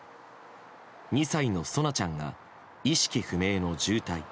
２歳の蒼菜ちゃんが意識不明の重体。